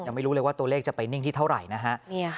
ไม่รู้เลยว่าตัวเลขจะไปนิ่งที่เท่าไหร่นะฮะ